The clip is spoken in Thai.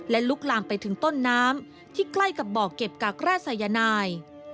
และลุกลามไปถึงต้นน้ำที่ใกล้กับบ่อเก็บกักแร่สายนาย